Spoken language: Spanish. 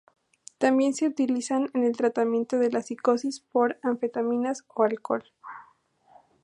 Tambien se utilizan en el tratamiento de las psicosis por anfetaminas o alcohol.